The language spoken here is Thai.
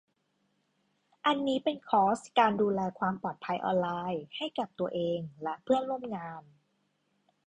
อันนี้เป็นคอร์สการดูแลความปลอดภัยออนไลน์ให้กับตัวเองและเพื่อนร่วมงาน